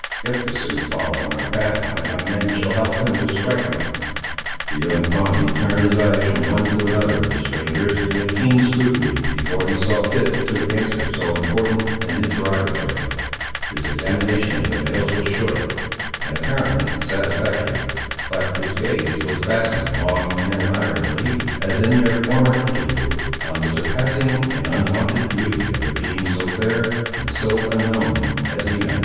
If the Siouxes follow on our path, my young men shall help him to strike them." The young Pawnee turned his eyes from one to another of the strangers, in a keen scrutiny, before he saw fit to answer so important an interrogatory. His examination of the males was short, and apparently satisfactory. But his gaze was fastened long and admiringly, as in their former interview, on the surpassing and unwonted beauty of a being so fair and so unknown as Inez.